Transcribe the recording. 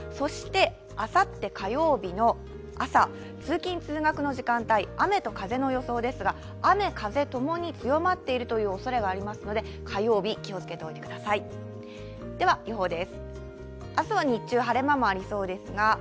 あさって火曜日の朝、通勤・通学の時間帯、雨と風の予想ですが、雨・風ともに強まっているおそれがありますので、火曜日、気をつけておいてくださいスポーツです。